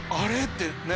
ってね。